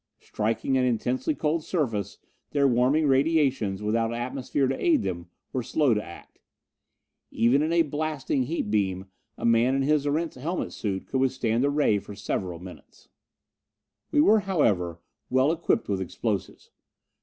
Striking an intensely cold surface, their warming radiations, without atmosphere to aid them, were slow to act. Even in a blasting heat beam a man in his Erentz helmet suit could withstand the ray for several minutes. We were, however, well equipped with explosives.